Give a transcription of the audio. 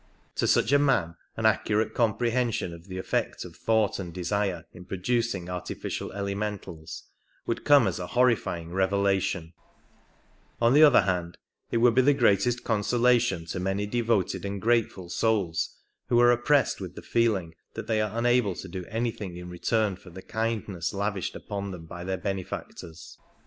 To such a man an accurate comprehension of the effect of thought and desire in producing artificial elementals would come as a horrifying revelation ; on the other hand, it would be the greatest consolation to many devoted and grateful souls who are oppressed with the feeling that they are unable to do anything in return for the kindness lavished upon them by their benefactoi's.